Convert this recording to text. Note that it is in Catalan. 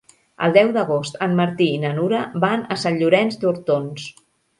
El deu d'agost en Martí i na Nura van a Sant Llorenç d'Hortons.